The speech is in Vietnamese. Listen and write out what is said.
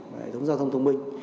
hệ thống giao thông thông minh